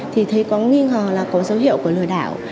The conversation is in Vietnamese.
thì thấy có nghi ngờ là có dấu hiệu của lừa đảo